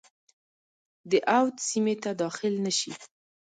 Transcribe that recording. د اود سیمي ته داخل نه شي.